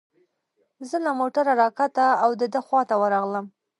زه له موټره را کښته او د ده خواته ورغلم.